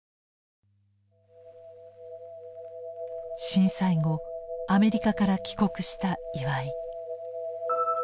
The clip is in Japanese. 震災後アメリカから帰国した岩井。